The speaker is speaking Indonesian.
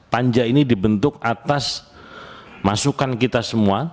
panja ini dibentuk atas masukan kita semua